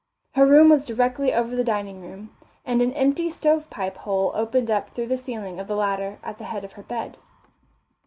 Her room was directly over the dining room, and an empty stovepipe hole opened up through the ceiling of the latter at the head of her bed.